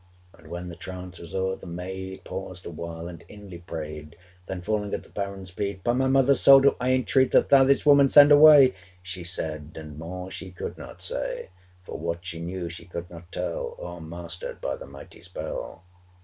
And when the trance was o'er, the maid Paused awhile, and inly prayed: Then falling at the Baron's feet, 615 'By my mother's soul do I entreat That thou this woman send away!' She said: and more she could not say: For what she knew she could not tell, O'er mastered by the mighty spell.